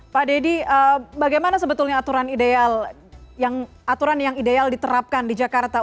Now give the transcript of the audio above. pak dedy bagaimana sebetulnya aturan ideal yang aturan yang ideal diterapkan di jakarta